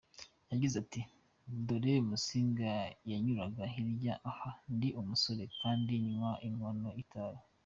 Yagize ati "Dore Musinga yanyuraga hirya aha ndi umusore, kandi nywa inkono y’itabi.